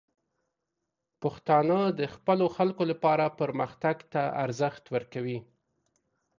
پښتانه د خپلو خلکو لپاره پرمختګ ته ارزښت ورکوي.